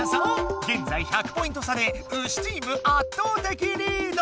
げんざい１００ポイント差でウシチーム圧倒的リード！